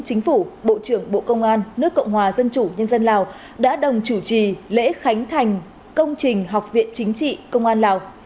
chính phủ bộ trưởng bộ công an nước cộng hòa dân chủ nhân dân lào đã đồng chủ trì lễ khánh thành công trình học viện chính trị công an lào